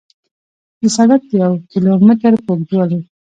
د سړک د یو کیلو متر په اوږدوالي